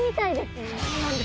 そうなんです。